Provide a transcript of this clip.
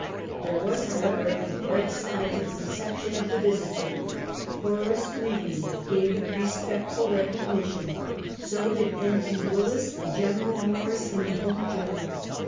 There was, however, a bright side to the reception of My Crooked Telescope. 115 the Visiter. Horace Greeley gave it respectful recog nition, so did ]^. P. "Willis and Gen. Morris in the Home Journal.